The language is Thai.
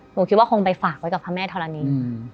หนูคิดว่าคงไปฝากไว้กับพระแม่ธรณี